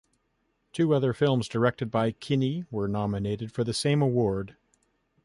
Two other films directed by Kinney were nominated for the same award.